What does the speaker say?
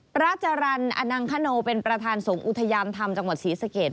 พระจรรย์อนังคโนเป็นประธานสงฆ์อุทยานธรรมจังหวัดศรีสเกต